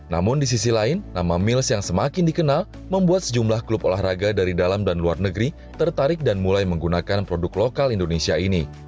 namun di sisi lain nama mils yang semakin dikenal membuat sejumlah klub olahraga dari dalam dan luar negeri tertarik dan mulai menggunakan produk lokal indonesia ini